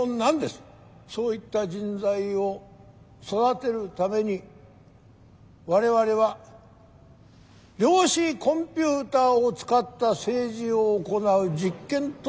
そういった人材を育てるために我々は量子コンピューターを使った政治を行う実験都市を造り上げました。